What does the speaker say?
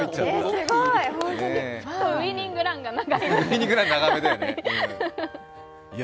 ウイニングランが長い。